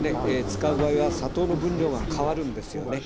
使う場合は砂糖の分量が変わるんですよね。